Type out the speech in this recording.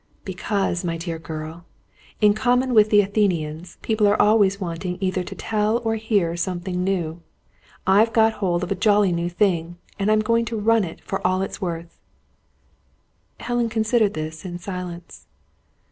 "Because, my dear girl, in common with the Athenians, people are always wanting either to tell or to hear some new thing. I've got hold of a jolly new thing, and I'm going to run it for all it's worth." Helen considered this in silence.